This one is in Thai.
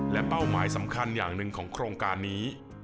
และเป้าหมายสำคัญอย่างหนึ่งของโครงการนี้